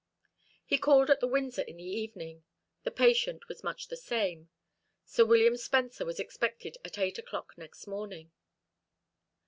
He called at the Windsor in the evening. The patient was much the same. Sir William Spencer was expected at eight o'clock next morning.